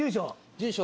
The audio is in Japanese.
住所。